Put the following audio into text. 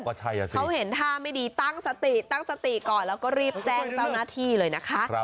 เขาเห็นท่าไม่ดีตั้งสติตั้งสติก่อนแล้วก็รีบแจ้งเจ้าหน้าที่เลยนะคะ